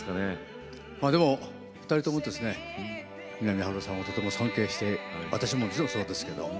でも２人ともですね三波春夫さんをとても尊敬して私ももちろんそうですけど。